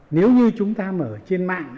nếu như chúng ta mở trên mạng